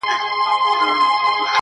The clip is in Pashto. د ژوند مفهوم ورته بدل ښکاري او بې معنا,